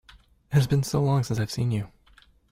It has been so long since I have seen you!